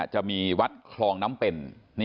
จะมีวัดคลองน้ำเป็น